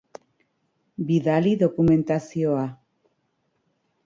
Bidali dokumentazioa.